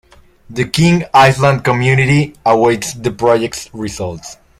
The King Island Community awaits the project's results.